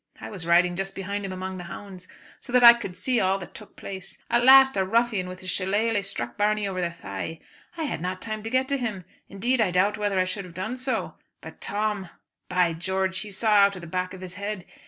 I was riding just behind him among the hounds so that I could see all that took place. At last a ruffian with his shillelagh struck Barney over the thigh. I had not time to get to him; indeed I doubt whether I should have done so, but Tom, ; by George, he saw out of the back of his head.